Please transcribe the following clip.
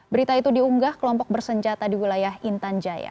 berita itu diunggah kelompok bersenjata di wilayah intan jaya